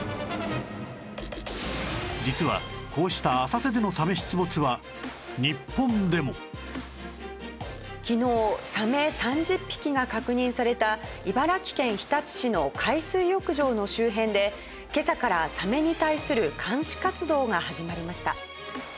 実はこうした昨日サメ３０匹が確認された茨城県日立市の海水浴場の周辺で今朝からサメに対する監視活動が始まりました。